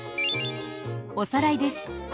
おさらいです。